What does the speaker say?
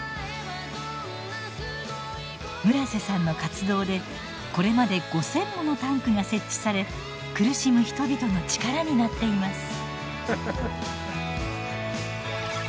村瀬さんの活動でこれまで５，０００ものタンクが設置され苦しむ人々の力になっています。